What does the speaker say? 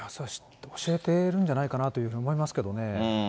教えてるんじゃないかなというふうに思いますけどね。